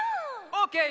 オーケー！